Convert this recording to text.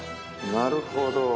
なるほど。